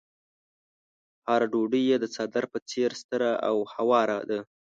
هره ډوډۍ يې د څادر په څېر ستره او هواره ده.